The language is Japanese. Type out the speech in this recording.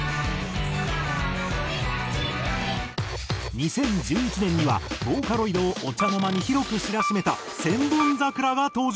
２０１１年にはボーカロイドをお茶の間に広く知らしめた『千本桜』が登場。